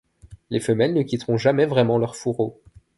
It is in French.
Les femelles ne quitteront jamais vraiment leur fourreau.